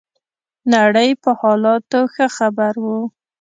نړۍ په حالاتو ښه خبر وو.